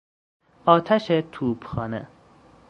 آتش توپخانه